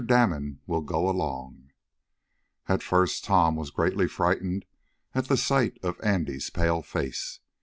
DAMON WILL GO ALONG At first Tom was greatly frightened at the sight of Andy's pale face.